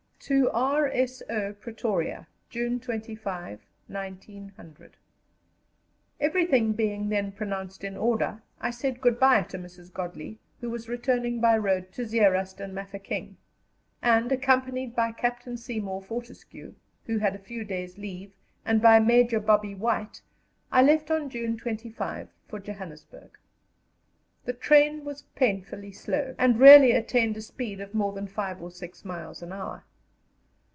To R.S.O. Pretoria June 25, 1900. Everything being then pronounced in order, I said good bye to Mrs. Godley, who was returning by road to Zeerust and Mafeking, and, accompanied by Captain Seymour Fortescue, who had a few days' leave, and by Major Bobby White, I left on June 25 for Johannesburg. The train was painfully slow, and rarely attained a speed of more than five or six miles an hour.